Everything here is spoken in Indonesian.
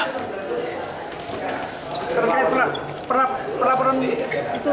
terkait perlaporan itu